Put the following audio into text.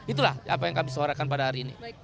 itulah apa yang kami suarakan pada hari ini